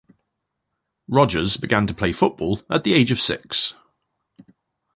Rogers began to play football at the age of six.